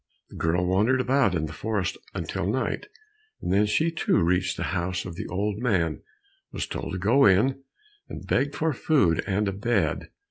The girl wandered about in the forest until night, and then she too reached the house of the old man, was told to go in, and begged for food and a bed.